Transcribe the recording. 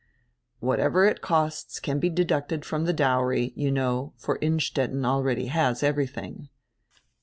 "Whatever it costs can be deducted from die dowry, you know, for Innstetten already has everydiing."